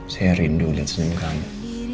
saya rindu lihat senyum kamu